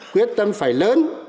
quyết tâm phải lớn